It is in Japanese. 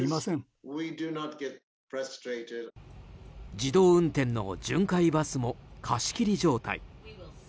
自動運転の巡回バスも貸し切り状態。